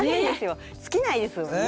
尽きないですよね。